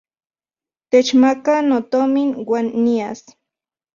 Techmaka notomin uan nias.